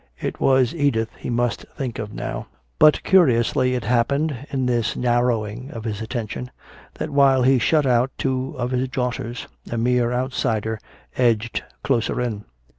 It was Edith he must think of now. But curiously it happened, in this narrowing of his attention, that while he shut out two of his daughters, a mere outsider edged closer in.